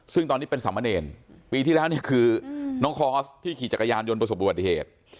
ซึ่งตอนนี้เป็นสามเณรปีที่แล้วนี่คือน้องคอร์สที่ขี่จักรยานยนต์ประสบอุบัติเหตุ